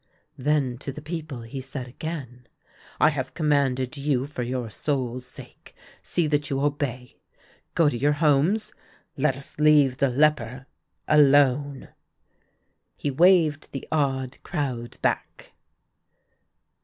Then to the people he said again :" I have com manded you for your souls' sake ; see that you obey. Go to your homes. Let us leave the leper — alone." He waved the awed crowd back.